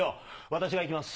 私がいきます。